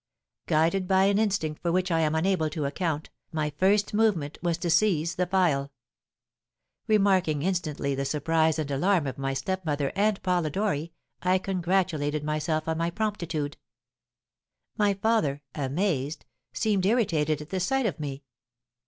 Guided by an instinct for which I am unable to account, my first movement was to seize the phial. Remarking instantly the surprise and alarm of my stepmother and Polidori, I congratulated myself on my promptitude. My father, amazed, seemed irritated at the sight of me.